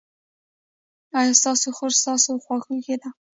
ایا ستاسو خور ستاسو خواخوږې ده؟